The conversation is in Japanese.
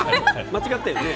間違ってるね。